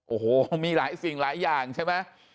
โอ้โหมีหลายสิ่งหลายอย่างใช่ไหม